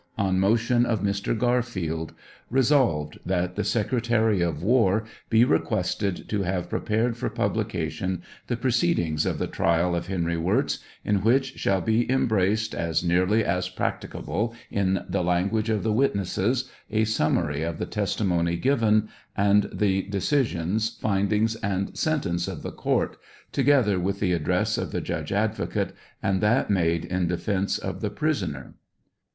On motion of Mr. Garfield, Resolved, That the Secretary of War he requested to have prepared for pub lication the proceedings of the trial of Henry Wirz, in which shall be em braced, as nearly as practicable in the language of the witnesses, a summary of the testimony given, and the decisions, findings, and sentence of the court, to gether with the address of the judge advocate, and that made in defence of the prisoner.